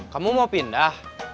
kamu mau pindah